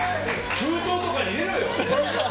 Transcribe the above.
封筒とかに入れろよ！